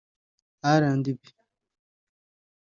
R&B